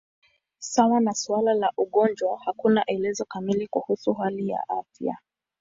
Sawa na suala la ugonjwa, hakuna elezo kamili kuhusu hali ya afya.